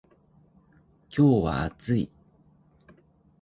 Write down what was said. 今日は暑い。